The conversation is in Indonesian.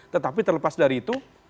tetapi terlepas dari itu